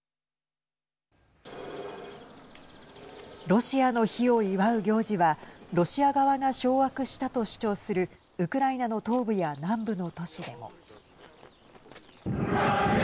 ロシアの日を祝う行事はロシア側が掌握したと主張するウクライナの東部や南部の都市でも。